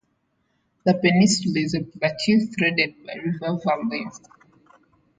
The peninsula is a plateau threaded by river valleys.